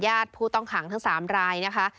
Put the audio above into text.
ผู้ต้องขังทั้ง๓รายนะคะ